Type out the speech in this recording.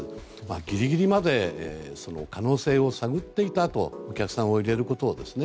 ギリギリまで可能性を探っていたお客さんを入れることをね。